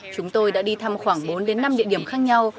chúng tôi đã đi thăm khoảng bốn đến năm địa điểm khác nhau